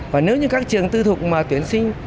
và nếu như các trường tư thục mà tuyển sinh